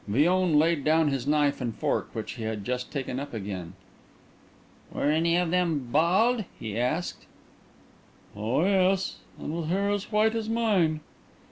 Villon laid down his knife and fork, which he had just taken up again. "Were any of them bald?" he asked. "Oh yes, and with hair as white as mine."